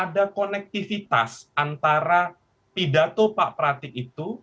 ada kolektivitas antara pidato dan pak pratik itu